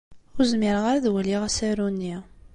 Ur zmireɣ ara ad waliɣ asaru-nni.